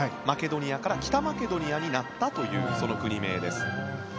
マケドニアから北マケドニアになったというその国名です。